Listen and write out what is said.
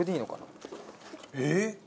えっ！